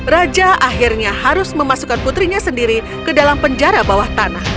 raja akhirnya harus memasukkan putrinya sendiri ke dalam penjara bawah tanah